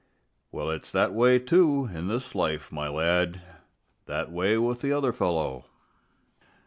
Well, it's that way, too, in this life, my lad, That way with the other fellow.